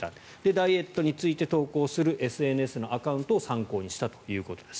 ダイエットについて投稿するＳＮＳのアカウントを参考にしたということです。